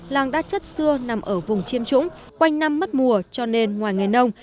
làng đa chất xưa nằm ở vùng chiêm trũng quanh năm mất mùa cho nên ngoài nghề nông